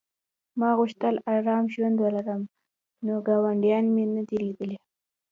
ما غوښتل ارام ژوند ولرم نو ګاونډیان مې نه دي لیدلي